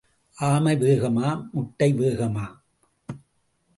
ஆமை வேகமா, முட்டை வேகமா?